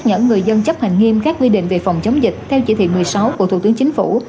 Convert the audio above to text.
dẫn người dân chấp hành nghiêm các quy định về phòng chống dịch theo chỉ thị một mươi sáu của thủ tướng chính phủ